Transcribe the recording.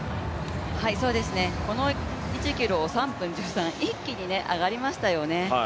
この１ｋｍを３分１３、一気に上がりましたよね。